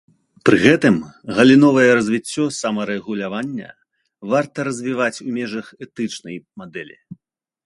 Пры гэтым галіновае развіццё самарэгулявання варта развіваць у межах этычнай мадэлі.